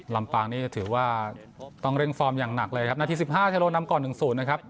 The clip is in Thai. ลำปางนี้ถือว่าต้องเร่งฟอร์มอย่างหนักเลยครับนาทีสิบห้าเทโรนำก่อนหนึ่งศูนย์นะครับ